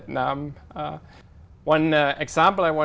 có chắc chắn